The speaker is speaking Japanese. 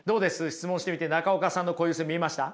質問してみて中岡さんの固有性見えました？